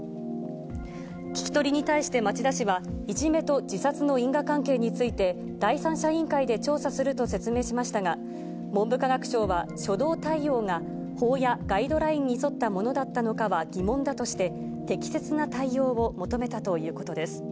聞き取りに対して町田市は、いじめと自殺の因果関係について、第三者委員会で調査すると説明しましたが、文部科学省は初動対応が法やガイドラインに沿ったものだったのかは疑問だとして、適切な対応を求めたということです。